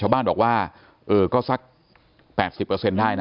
ชาวบ้านบอกว่าก็สัก๘๐เปอร์เซ็นต์ได้นะ